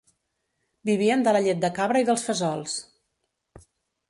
Vivien de la llet de cabra i dels fesols.